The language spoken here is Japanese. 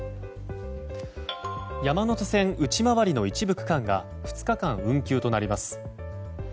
山手線内回りの一部区間が２日間運休となります。